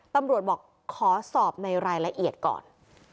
ตำรวจบอกขอสอบในรายละเอียดก่อน